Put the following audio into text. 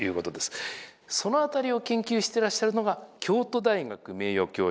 その辺りを研究してらっしゃるのが京都大学名誉教授の積山薫さんです。